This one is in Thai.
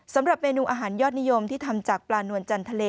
สำหรับเมนูอาหารยอดนิยมที่ทำจากปลานวลจันทะเล